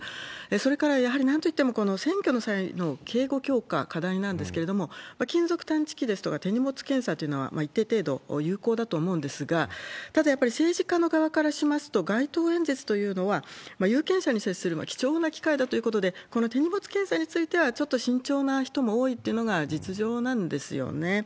それから、やはりなんといっても、選挙の際の警護強化、課題なんですけれども、金属探知機ですとか手荷物検査というのは一定程度有効だと思うんですが、ただ、やっぱり政治家の側からしますと、街頭演説というのは、有権者に接する貴重な機会だということで、この手荷物検査についてはちょっと慎重な人も多いっていうのが実情なんですよね。